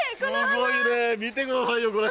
すごいね、見てくださいよ、これ。